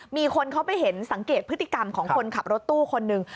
มีคนเขาไปเห็นสังเกตพฤติกรรมของคนขับรถตู้คนหนึ่ง